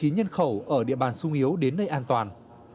hai bốn trăm linh chín nhân khẩu ở địa bàn sung yếu đến nơi an toàn